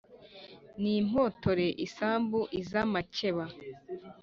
ni impotore irasumba iz’amakeba